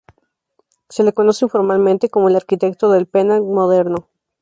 Se le conoce informalmente como el "Arquitecto del Penang Moderno".